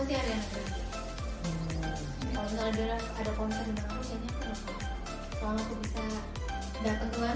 penipuan musik jadi aku bingung banyak